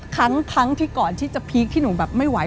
ครั้งที่ก่อนที่จะพีคที่หนูแบบไม่ไหว